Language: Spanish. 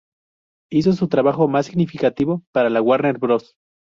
Hizo su trabajo más significativo para la Warner Bros.